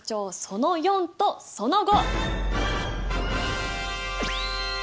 その４とその５！